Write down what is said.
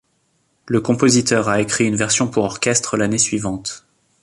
Le compositeur a écrit une version pour orchestre l'année suivante.